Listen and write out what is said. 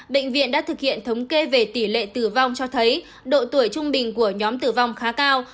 bệnh viện đã thực hiện thống kê về tỷ lệ tử vong cho thấy độ tuổi trung bình của nhóm tử vong khá cao